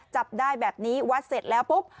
จับได้แบบนี้วัดเสร็จแล้วปุ๊บ